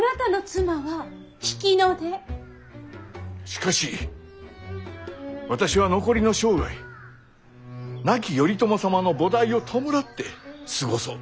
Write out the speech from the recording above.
しかし私は残りの生涯亡き頼朝様の菩提を弔って過ごそうと。